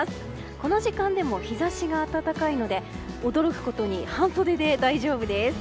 この時間でも日差しが暖かいので驚くことに半袖で大丈夫です。